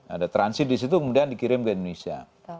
ada transit disitu kemudian dikirim ke indonesia